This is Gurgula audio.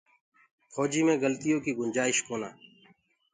ڦوجي مي گلتيو ڪي گُنجآئيش ڪونآ۔